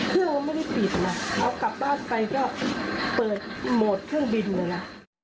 เครื่องเราไม่ได้ปิดนะเขากลับบ้านไปก็เปิดโหมดเครื่องบินเลยนะ